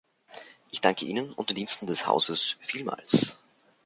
Ich danke Ihnen und den Diensten des Hauses vielmals.